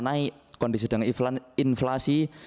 naik kondisi dengan inflasi